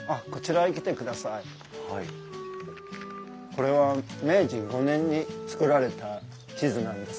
これは明治５年に作られた地図なんです。